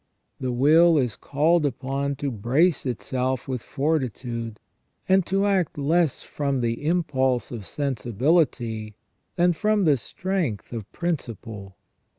The will is called upon to brace itself with fortitude, and to act less from the impulse of sensibility than from the strength of principle.